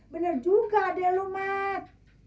bener juga deh lu mat